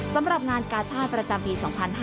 สำหรับงานกาชาติประจำปี๒๕๕๙